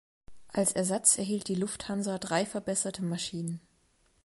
Als Ersatz erhielt die Luft Hansa drei verbesserte Maschinen.